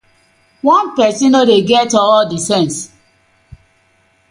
One pesin no dey get all the sence.